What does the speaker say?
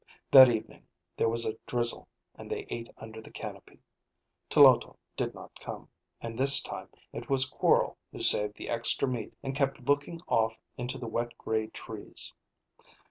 That evening there was a drizzle and they ate under the canopy. Tloto did not come, and this time it was Quorl who saved the extra meat and kept looking off into the wet gray trees.